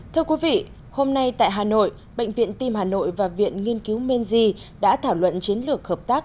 thưa quý vị hôm nay tại hà nội bệnh viện tim hà nội và viện nghiên cứu meni đã thảo luận chiến lược hợp tác